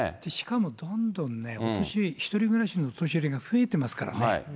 しかもどんどんね、お年寄り、１人暮らしのお年寄りが増えてますからね。